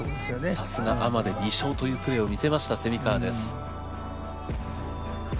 さすがアマで２勝というプレーを見せました川です。